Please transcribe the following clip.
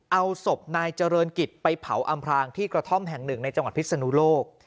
เอาศพนายเจริญกิจไปเผาอำพลางที่กระท่อมแห่งหนึ่งในจังหวัดพิศนุโลก